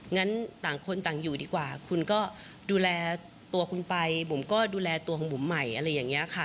งั้นต่างคนต่างอยู่ดีกว่าคุณก็ดูแลตัวคุณไปบุ๋มก็ดูแลตัวของบุ๋มใหม่อะไรอย่างนี้ค่ะ